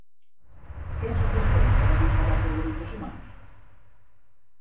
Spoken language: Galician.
Quen son vostedes para vir falar de dereitos humanos?